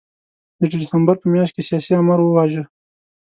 د ډسمبر په میاشت کې سیاسي آمر وواژه.